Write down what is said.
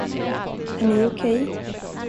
Är ni okej?